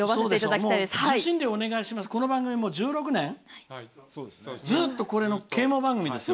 この番組１６年ずっとこれの啓もう番組ですよ。